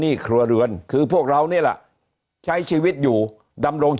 หนี้ครัวเรือนก็คือชาวบ้านเราเป็นหนี้มากกว่าทุกยุคที่ผ่านมาครับ